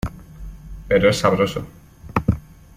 Pero es sabroso.